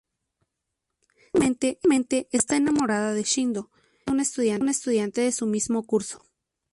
Secretamente está enamorada de Shindo, que es un estudiante de su mismo curso.